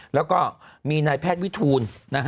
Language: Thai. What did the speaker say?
แล้วก็มีนายแพทย์วิทูล